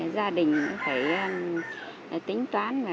gia đình cũng phải tính toán